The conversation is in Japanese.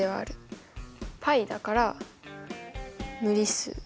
πだから無理数。